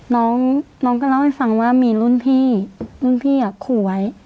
น้องน้องก็เล่าให้ฟังว่ามีรุ่นพี่รุ่นพี่ขู่ไว้